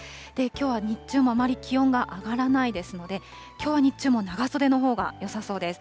きょうは日中もあまり気温が上がらないですので、きょうは日中も長袖のほうがよさそうです。